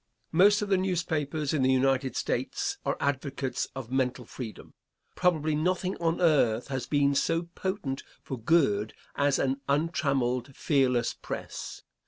Most of the newspapers in the United States are advocates of mental freedom. Probably nothing on earth has been so potent for good as an untrammeled, fearless press.